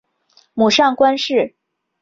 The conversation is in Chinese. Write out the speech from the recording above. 母上官氏。